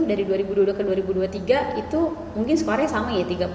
dari dua ribu dua puluh dua ke dua ribu dua puluh tiga itu mungkin skornya sama ya